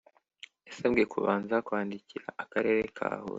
Yasabwe kubanza kwandikira Akarere ka huye